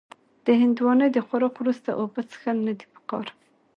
د هندوانې د خوراک وروسته اوبه څښل نه دي پکار.